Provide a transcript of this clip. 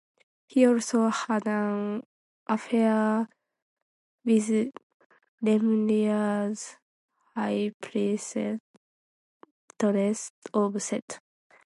He also had an affair with Lemuria's High Priestess of Set.